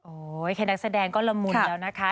แค่นักแสดงก็ละมุนแล้วนะคะ